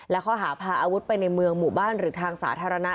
และข้อหาพาอาวุธไปในเมืองหมู่บ้านหรือทางสาธารณะ